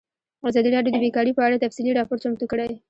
ازادي راډیو د بیکاري په اړه تفصیلي راپور چمتو کړی.